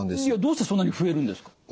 いやどうしてそんなに増えるんですか？